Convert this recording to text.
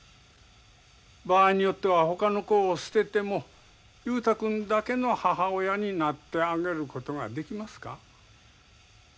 場合によってはほかの子を捨てても雄太君だけの母親になってあげることができますか？